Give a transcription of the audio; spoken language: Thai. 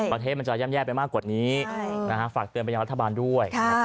ประเทศมันจะแย่ไปมากกว่านี้ฝากเตือนประยาทบาลด้วย